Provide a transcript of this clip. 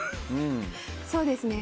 そうですね。